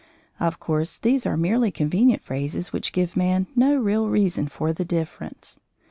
Of course these are merely convenient phrases which give man no real reason for the difference.